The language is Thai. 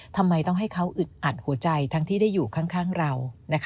ทำไมต้องให้เขาอึดอัดหัวใจทั้งที่ได้อยู่ข้างเรา